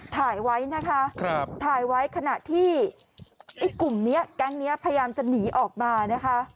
ถ่ายไว้นะคะถ่ายไว้ขณะที่ไอ้กลุ่มนี้แก๊งนี้พยายามจะหนีออกมานะคะ